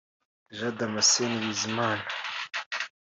Jean Damascène Bizimana